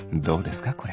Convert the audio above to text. どうですか？